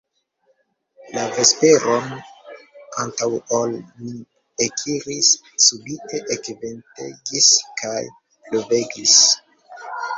La vesperon antaŭ ol ni ekiris, subite ekventegis kaj pluvegis.